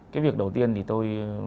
cái việc đầu tiên thì tôi